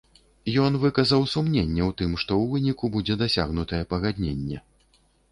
Ён выказаў сумненне ў тым, што ў выніку будзе дасягнутае пагадненне.